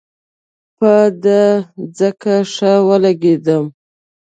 په ده ځکه ښه ولګېدم.